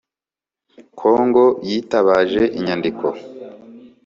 congo yitabaje inyandiko